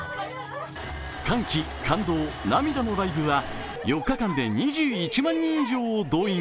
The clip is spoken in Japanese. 歓喜、感動、涙のライブは４日間で２１万人以上を動員。